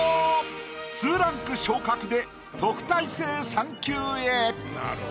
２ランク昇格で特待生３級へ！